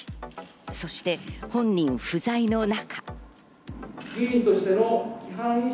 そして本人不在の中。